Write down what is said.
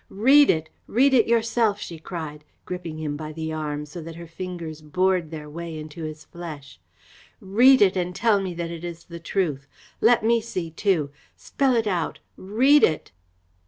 "Read it! Read it yourself!" she cried, gripping him by the arm, so that her fingers bored their way into his flesh. "Read it and tell me that it is the truth! Let me see too. Spell it out! Read it!"